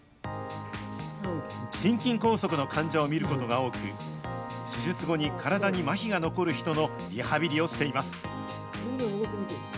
心筋梗塞の患者を診ることが多く、手術後に体にまひが残る人のリハビリをしています。